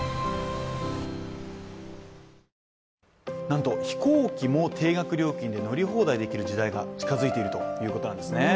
なんと飛行機も定額料金で乗り放題できる時代が近づいているということなんですね。